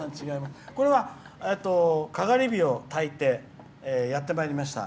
かがり火をたいてやってまいりました。